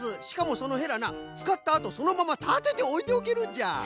しかもそのヘラなつかったあとそのままたてておいておけるんじゃ。